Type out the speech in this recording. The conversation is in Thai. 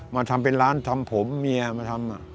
มาทำเป็นร้านทำผมเมียมาทำ